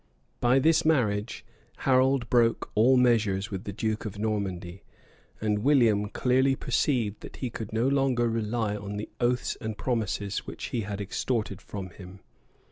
By this marriage, Harold broke all measures with the duke of Normandy, and William clearly perceived that he could no longer rely on the oaths and promises which he had extorted from him.